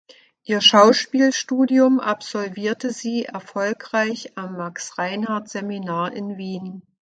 Ihr Schauspielstudium absolvierte sie erfolgreich am Max-Reinhardt-Seminar in Wien.